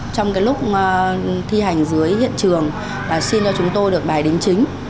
trong cái lúc thi hành dưới hiện trường là xin cho chúng tôi được bài đính chính